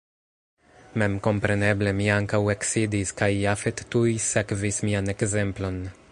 Memkompreneble mi ankaŭ eksidis kaj Jafet tuj sekvis mian ekzemplon.